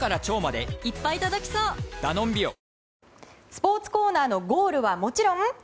スポーツコーナーのゴールはもちろん。